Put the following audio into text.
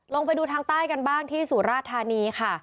ลงไปดูทางใต้กันบ้างที่สุราธานีค่ะ